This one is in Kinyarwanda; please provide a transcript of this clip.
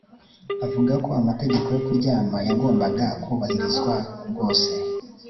avuga ko amategeko yo kuryama yagombaga kubahirizwa rwose